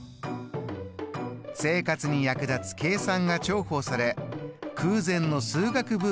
生活に役立つ計算が重宝され空前の数学ブームが起きました。